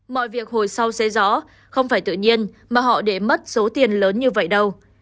mọi việc hồi sau xế gió không phải tự nhiên mà họ để mất số tiền lớn như vậy đâu